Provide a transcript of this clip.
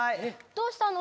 どうしたの？